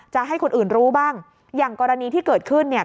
จะให้คนอื่นรู้บ้างอย่างกรณีที่เกิดขึ้นเนี่ย